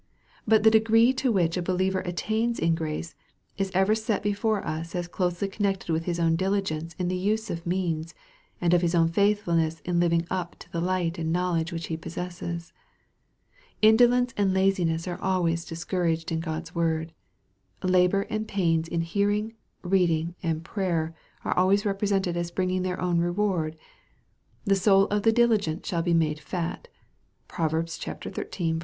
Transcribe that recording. But the degree to which a believer attains in grace, is ever set before us as closely connected with his own diligence in the use of means, and his own faithfulness in living fully up to the light and knowledge which he possesses. Indolence and lazi ness are always discouraged in God's word. Labor and pains in hearing, reading, and prayer, are alway? represented as bringing their own reward. " The soul of the diligent shall be made fat." (Prov. xiii. 4.)